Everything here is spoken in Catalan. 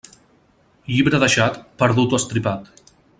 Llibre deixat, perdut o estripat.